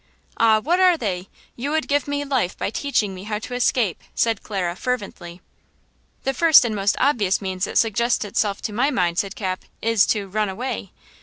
"Ah! what are they? You would give me life by teaching me how to escape!" said Clara, fervently. "The first and most obvious means that suggests itself to my mind," said Cap, "is to–run away!"